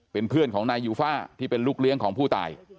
เป็นเพื่อนของนายยูฟ่าที่เป็นลูกเลี้ยงของผู้ตาย